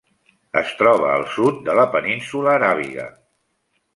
Es troba al sud de la Península Aràbiga.